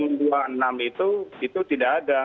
sebenarnya di pm dua puluh enam itu itu tidak ada